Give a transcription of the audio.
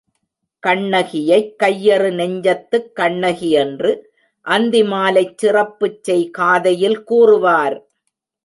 கண்ணகியைக் கையறு நெஞ்சத்துக் கண்ணகி என்று அந்தி மாலைச் சிறப்புச் செய் காதையில் கூறுவார்.